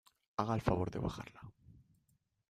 haga el favor de bajarla.